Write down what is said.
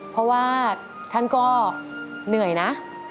เพราะว่าท่านก็เหนื่อยนะ